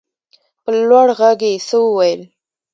په لوړ غږ يې څه وويل.